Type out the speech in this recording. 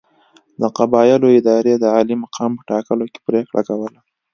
د قبایلو ادارې د عالي مقام په ټاکلو کې پرېکړه کوله.